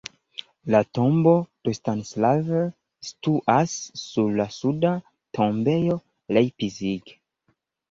La tombo de Stanislav situas sur la suda tombejo Leipzig.